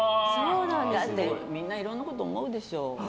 だってみんないろんなこと思うでしょ。